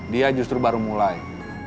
dia justru baru mulai